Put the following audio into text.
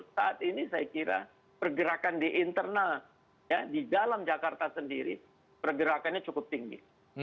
saat ini saya kira pergerakan di internal di dalam jakarta sendiri pergerakannya cukup tinggi